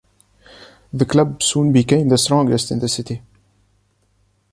The club soon became the strongest in the city.